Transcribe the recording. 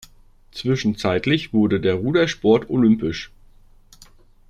Zwischenzeitlich wurde der Rudersport olympisch.